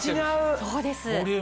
そうです。